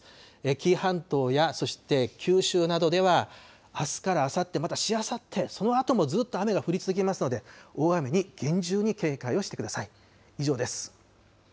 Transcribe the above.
紀伊半島やそして九州などでは、あすからあさって、またしあさって、そのあともずっと雨が降り続きますので、大雨に厳重に警戒をしてください。